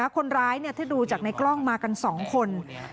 คนร้ายถ้าดูจากในกล้องมากัน๒คน